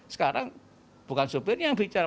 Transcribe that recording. sekarang bukan sopir yang bicara